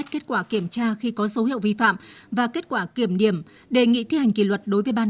kết quả kiểm tra khi có dấu hiệu vi phạm và kết quả kiểm điểm đề nghị thi hành kỷ luật đối với ban